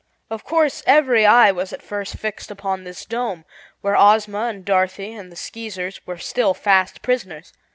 Of course every eye was at first fixed upon this dome, where Ozma and Dorothy and the Skeezers were still fast prisoners.